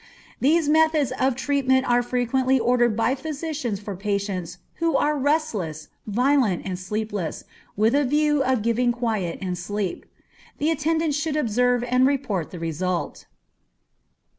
These methods of treatment are frequently ordered by physicians for patients who are restless, violent, and sleepless, with a view of giving quiet and sleep. The attendant should observe and report the result.